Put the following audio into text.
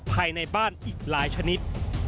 ภายในบ้านอีกหลายชนิด